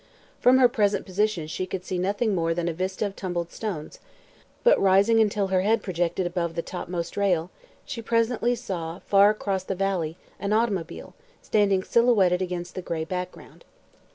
From her present position she could see nothing more than a vista of tumbled stones, but rising until her head projected above the topmost rail she presently saw, far across the valley, an automobile, standing silhouetted against the gray background.